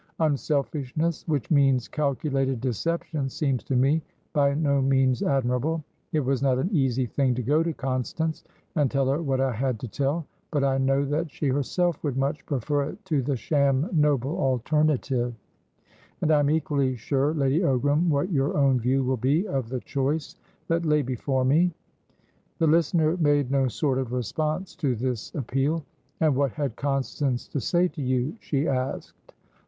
Unselfishness which means calculated deception seems to me by no means admirable. It was not an easy thing to go to Constance, and tell her what I had to tell; but I know that she herself would much prefer it to the sham noble alternative. And I am equally sure, Lady Ogram, what your own view will be of the choice that lay before me." The listener made no sort of response to this appeal. "And what had Constance to say to you?" she asked.